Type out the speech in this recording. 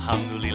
sampai di sini